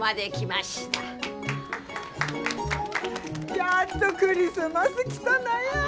やっとクリスマス来たなや！